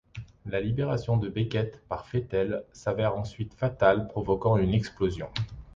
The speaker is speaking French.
La libération de Becket par Fettel s'avère ensuite fatale, provoquant une explosion.